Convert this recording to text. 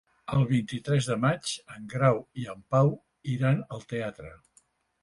El vint-i-tres de maig en Grau i en Pau iran al teatre.